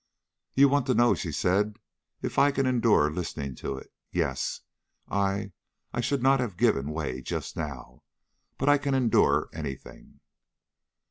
"You want to know," she said, "if I can endure listening to it. Yes. I I should not have given way just now. But I can endure anything."